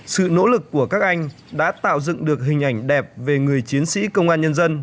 sự nỗ lực của các anh đã tạo dựng được hình ảnh đẹp về người chiến sĩ công an nhân dân